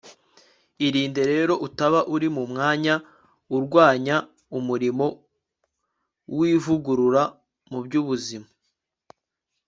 irinde rero utaba uri mu mwanya urwanya umurimo w'ivugurura mu by'ubuzima